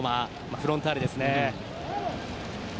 フロンターレですね。